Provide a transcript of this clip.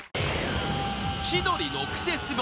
［『千鳥のクセスゴ！』